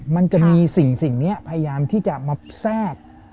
มันจะมีสิ่งนี้พยายามที่จะมาแทรก